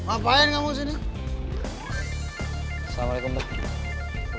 apa yang kamu lakukan disini